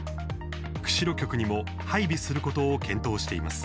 釧路局にも配備することを検討しています。